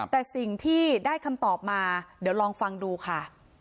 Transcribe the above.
แต่สิ่งที่ได้คำตอบมาเดี๋ยวลองฟังดูค่ะ